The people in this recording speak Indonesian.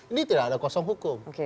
ini tidak ada kosong hukum